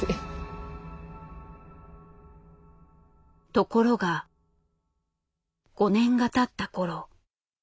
ところが５年がたった頃。